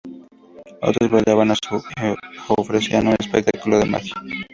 Otros bailaban u ofrecían un espectáculo de magia.